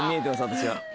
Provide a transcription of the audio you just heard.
私は。